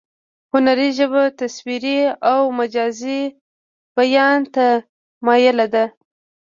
هنري ژبه تصویري او مجازي بیان ته مایله ده